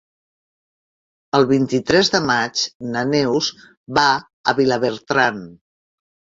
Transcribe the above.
El vint-i-tres de maig na Neus va a Vilabertran.